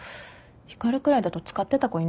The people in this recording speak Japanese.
光くらいだと使ってた子いないか。